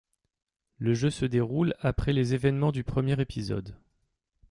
Le jeu se déroule après les événements du premier épisode.